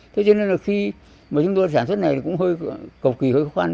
thế cho nên là khi mà chúng tôi sản xuất này cũng hơi cầu kỳ hơi khoan